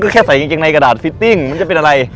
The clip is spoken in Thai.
แค่ใส่กางเกงในกระดาษฟิตติ้งมันจะเป็นอะไร